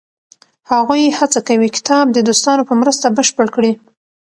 هغوی هڅه کوي کتاب د دوستانو په مرسته بشپړ کړي.